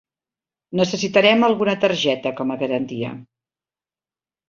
Necessitarem alguna targeta com a garantia.